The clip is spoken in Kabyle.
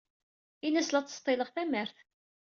Ini-as la ttseḍḍileɣ tamart.